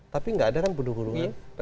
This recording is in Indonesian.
tapi nggak ada kan bunuh buluh